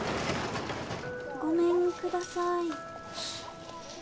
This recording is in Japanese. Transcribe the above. ・ごめんください。